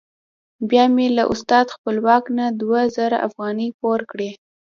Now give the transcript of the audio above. بیا مې له استاد خپلواک نه دوه زره افغانۍ پور کړې.